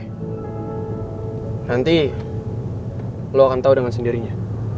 karena apa karena lo akan tau dengan sendirinya